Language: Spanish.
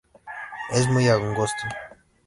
Es muy angosto.